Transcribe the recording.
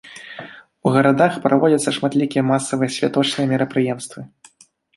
У гарадах праводзяцца шматлікія масавыя святочныя мерапрыемствы.